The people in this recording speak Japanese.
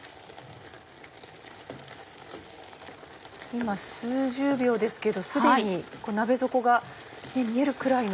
今数十秒ですけどすでに鍋底が見えるくらいの。